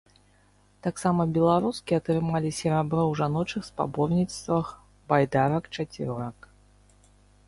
Таксама беларускі атрымалі серабро ў жаночых спаборніцтвах байдарак-чацвёрак.